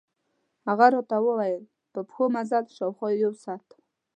هغه راته ووېل په پښو مزل، شاوخوا یو ساعت.